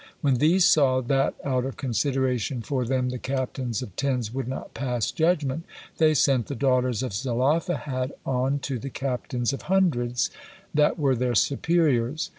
When these saw that out of consideration for them the captains of tens would not pass judgement, they sent the daughters of Zelophehad on to the captains of hundreds, that were their superiors.